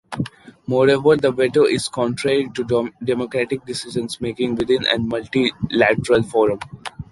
Moreover, the veto is contrary to democratic decision-making within any multilateral forum.